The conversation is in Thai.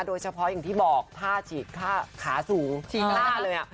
โดยเฉพาะอย่างที่บอกถ้าฉีกขาสูงฉีดกล้าเลย